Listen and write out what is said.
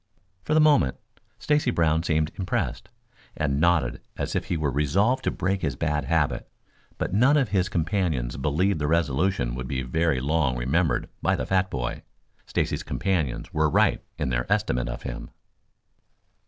For the moment Stacy Brown seemed impressed, and nodded as if he were resolved to break his bad habit, but none of his companions believed the resolution would be very long remembered by the fat boy. Stacy's companions were right in their estimate of him.